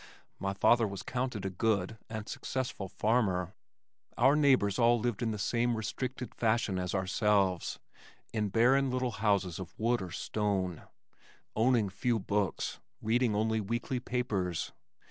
My father was counted a good and successful farmer. Our neighbors all lived in the same restricted fashion as ourselves, in barren little houses of wood or stone, owning few books, reading only weekly papers.